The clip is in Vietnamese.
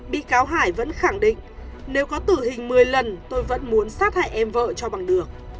bị cáo hải vẫn khẳng định nếu có tử hình một mươi lần tôi vẫn muốn sát hại em vợ cho bằng được